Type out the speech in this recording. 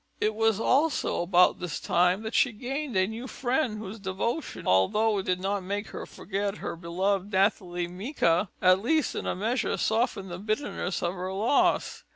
It was also about this time that she gained a new friend whose devotion, although it did not make her forget her beloved Nathalie Micas, at least in a measure softened the bitterness of her loss.